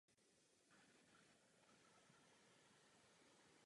Šuaj se soutěže neúčastnila.